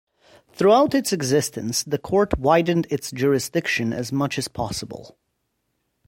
Throughout its existence, the Court widened its jurisdiction as much as possible.